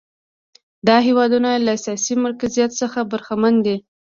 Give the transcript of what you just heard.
دا هېوادونه له سیاسي مرکزیت څخه برخمن دي.